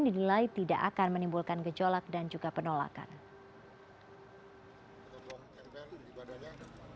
dinilai tidak akan menimbulkan gejolak dan juga penolakan